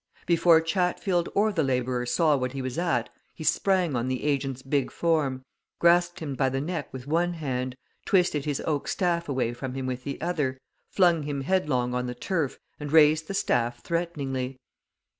Before Chatfield or the labourers saw what he was at, he sprang on the agent's big form, grasped him by the neck with one hand, twisted his oak staff away from him with the other, flung him headlong on the turf, and raised the staff threateningly.